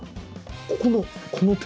ここのこの点？